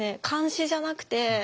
監視じゃなくて。